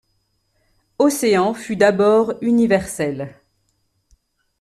Océan fut d’abord universel.